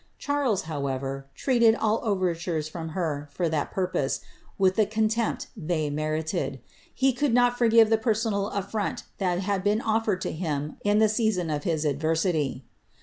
Charles, however, treated ?rtures from her, for that purpose, with the contempt they merited. »u]d not forgive the personal afiront that had been offered to him season of his adversity.